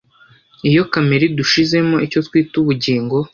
Iyo kamere idushizemo icyo twita ubugingo